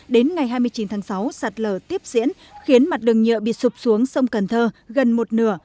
đến ngày hai mươi chín tháng sáu sạt lở tiếp diễn khiến mặt đường nhựa bị sụp xuống sông cần thơ gần một nửa